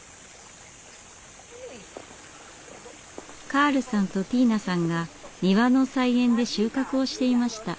カールさんとティーナさんが庭の菜園で収穫をしていました。